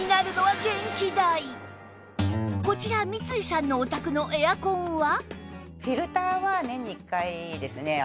こちら三井さんのお宅のエアコンは